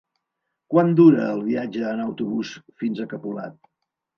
Quant dura el viatge en autobús fins a Capolat?